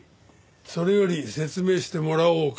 それより説明してもらおうか。